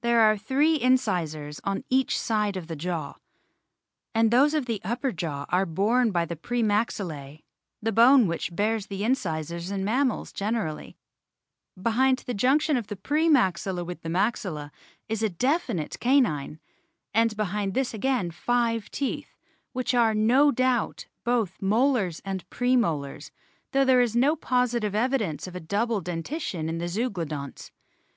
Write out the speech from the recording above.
There are three incisors on each side of each jaw, and those of the upper jaw are borne by the pre maxillae, the bone which bears the incisors in mammals generally ; behind the junction of the pre maxilla with the maxilla is a definite canine, and behind this again five teeth, which are no doubt both molars and pre molars, though there is no positive evidence of a double dentition in the Zeuglodonts.